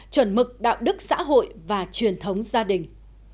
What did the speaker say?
chuẩn mực đạo đức xã hội và truyền thống gia đình